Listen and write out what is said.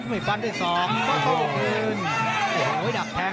ไม่ปั่นนะคะ๒มาต่อทั่วคืน